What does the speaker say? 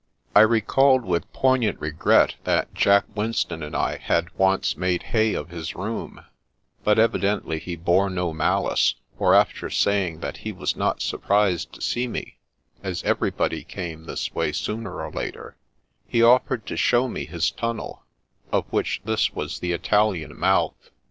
I recalled with poignant regret that Jack Winston and I had once made hay of his room ; but evidently he bore no malice, for after saying that he was not surprised to see me, as everybody came this way sooner or later, he offered to show me his tunnel, of which this was the Italian mouth.